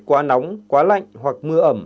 quá nóng quá lạnh hoặc mưa ẩm